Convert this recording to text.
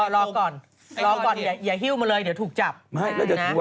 รอก่อนอย่าฮิวมาเลยเดี๋ยวถูกจับ